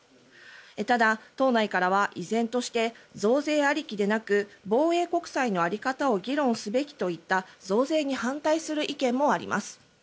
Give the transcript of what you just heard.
ただ、党内からは依然として増税ありきでなく防衛国債の在り方を議論すべきといった増税に反対する意見もあります。